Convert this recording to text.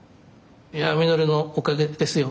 いや海鳥のおかげですよ。